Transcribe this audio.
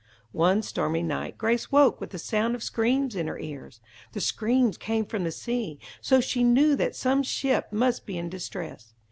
One stormy night Grace woke with the sound of screams in her ears. The screams came from the sea, so she knew that some ship must be in distress.